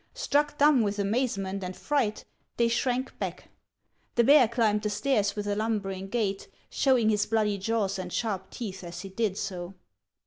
Struck dumb with amazement and fright, they shrank back. The bear climbed the stairs with a lumbering gait, showing his bloody jaws and sharp teeth as he did so.